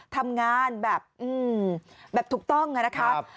ทำงานแบบถูกต้องนะครับ